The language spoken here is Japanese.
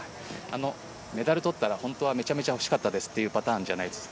メダルを取ったら本当はめちゃくちゃ欲しかったですというパターンじゃないですか？